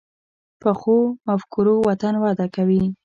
پخو مفکورو وطن وده کوي